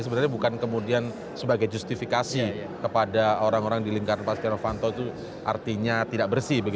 sebenarnya bukan kemudian sebagai justifikasi kepada orang orang di lingkaran pak setia novanto itu artinya tidak bersih